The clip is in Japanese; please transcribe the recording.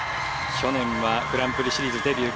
去年はグランプリシリーズデビュー